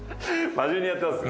真面目にやってます？